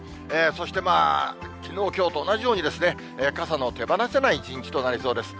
そして、きのう、きょうと同じように、傘の手放せない一日となりそうです。